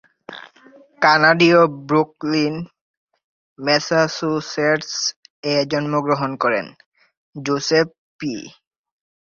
কানাডীয় Brooklyn, Massachusetts এ জন্মগ্রহণ করেন, জোসেফ পি।